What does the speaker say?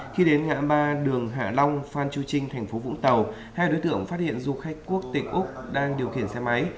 khi đến ngã ba đường hạ long phan chu trinh tp vũng tàu hai đối tượng phát hiện du khách quốc tỉnh úc đang điều khiển xe máy